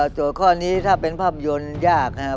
ข้อนี้ถ้าเป็นภาพยนตร์ยากนะครับ